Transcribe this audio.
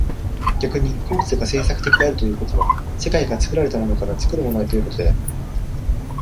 逆に個物が製作的であるということは、世界が作られたものから作るものへということである。